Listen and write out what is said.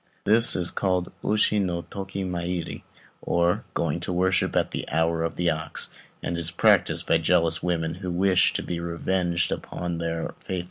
This is called Ushi no toki mairi, or "going to worship at the hour of the ox," and is practised by jealous women who wish to be revenged upon their faithless lovers.